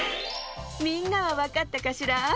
みんなはわかったかしら？